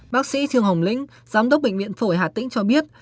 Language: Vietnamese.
bác sĩ thương hồng linh giám đốc bệnh viện phổi hà tĩnh cho biết